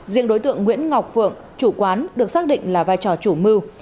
riêng đối tượng nguyễn ngọc phượng chủ quán được xác định là vai trò chủ mưu